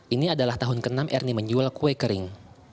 ini adalah tahun ke enam ernie menjual kue kering